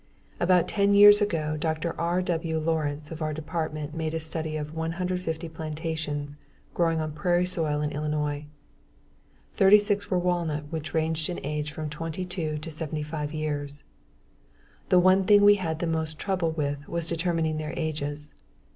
About ten years ago Dr. R. W. Lorenz of our Department made a study of 150 plantations growing on prairie soil in Illinois. Thirty six were walnut which ranged in age from 22 to 75 years. The one thing we had the most trouble with was determining their ages.